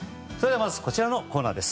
まずこちらのコーナーです。